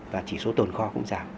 và chỉ số tồn kho cũng giảm